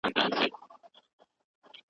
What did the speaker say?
که د صنعت لپاره کیفیت نه وي، بازار کمزوری کېږي.